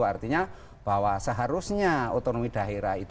artinya bahwa seharusnya otonomi daerah itu